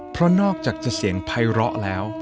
เพราะนอกจากจะเสียงไพร้อแล้ว